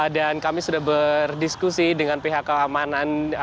dan kami sudah berdiskusi dengan pihak keamanan